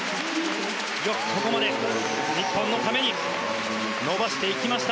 よくここまで日本のために伸ばしていきました。